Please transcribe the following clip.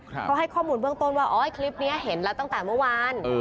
เขาให้ข้อมูลเบื้องต้นว่าคลิปนี้เห็นแล้วตั้งแต่เมื่อวาน